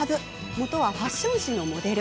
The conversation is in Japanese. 元はファッション誌のモデル。